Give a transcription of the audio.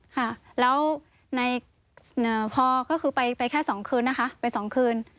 ค่ะแล้วในพอก็คือไปแค่๒คืนนะคะไป๒คืน